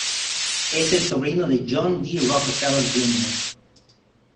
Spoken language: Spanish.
Es el sobrino de John D. Rockefeller Jr.